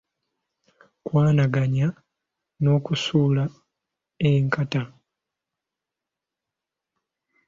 Kwanaganya n’okusuula enkata.